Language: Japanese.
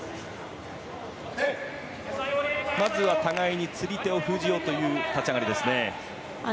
まずは互いに釣り手を封じようという立ち上がりですね。